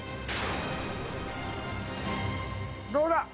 どうだ！？